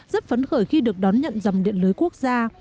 rất phấn khởi khi được đón nhận dòng điện lưới quốc gia